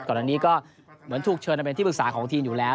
ก่อนอันนี้ก็เหมือนถูกเชิญมาเป็นที่ปรึกษาของทีมอยู่แล้ว